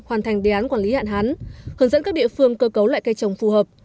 hoàn thành đề án quản lý hạn hán hướng dẫn các địa phương cơ cấu lại cây trồng phù hợp